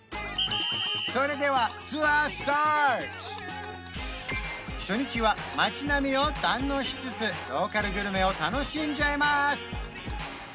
それでは初日は街並みを堪能しつつローカルグルメを楽しんじゃいます！